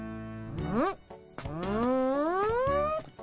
うん。